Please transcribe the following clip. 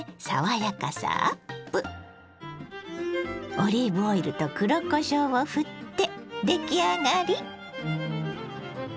オリーブオイルと黒こしょうをふって出来上がり。